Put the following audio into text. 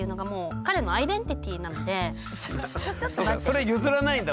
それ譲らないんだ。